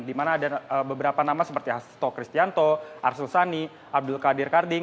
di mana ada beberapa nama seperti hasto kristianto arsul sani abdul qadir karding